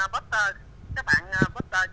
là các bạn